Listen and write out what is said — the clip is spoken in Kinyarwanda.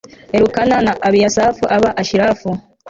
elukana na abiyasafu ba ashirafu